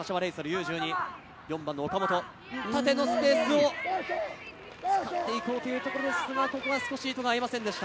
ー１２、岡本、縦のスペースを使っていこうというところでしたが、少しミートが合いませんでした。